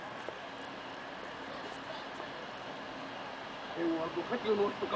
貴殿はご家中のお人か？